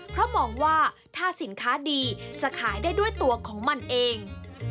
เพราะมองว่าถ้าสินค้าดีจะขายได้ด้วยตัวของมันเอง